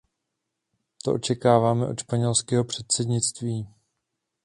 To očekáváme od španělského předsednictví.